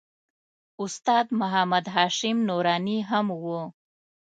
استاد محمد هاشم نوراني هم و.